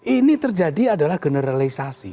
ini terjadi adalah generalisasi